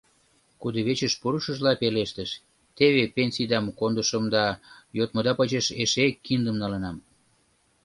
Кудывечыш пурышыжла пелештыш: — Теве пенсийдам кондышым да йодмыда почеш эше киндым налынам.